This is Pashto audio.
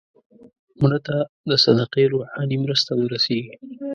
مړه ته د صدقې روحاني مرسته ورسېږي